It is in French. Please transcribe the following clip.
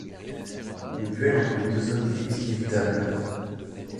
Le duel entre les deux hommes est inévitable.